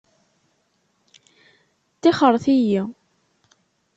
Tixxṛet-iyi!